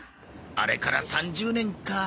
あれから３０年かあ。